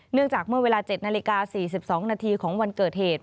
จากเมื่อเวลา๗นาฬิกา๔๒นาทีของวันเกิดเหตุ